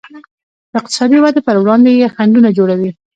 د اقتصادي ودې پر وړاندې یې خنډونه جوړوي.